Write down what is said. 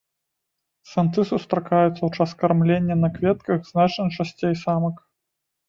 Самцы сустракаюцца ў час кармлення на кветках значна часцей самак.